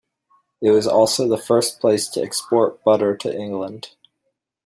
It was also the first place to export butter to England.